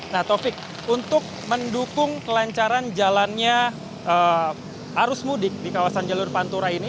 nah taufik untuk mendukung kelancaran jalannya arus mudik di kawasan jalur pantura ini